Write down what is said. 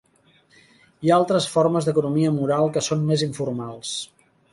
Hi ha altres formes d'economia moral que són més informals.